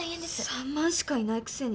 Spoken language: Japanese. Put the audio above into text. ３万しかいないくせに。